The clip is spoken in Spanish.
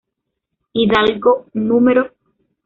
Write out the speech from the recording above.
Hidalgo No.